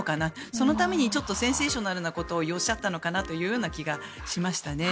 そのためにセンセーショナルなことをおっしゃったのかなという気がしましたね。